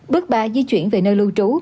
bước ba di chuyển về nơi lưu trú